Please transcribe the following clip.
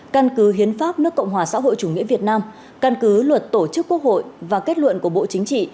căn cứ hiến pháp nước cộng hòa xã hội chủ nghĩa việt nam căn cứ luật tổ chức quốc hội và kết luận của bộ chính trị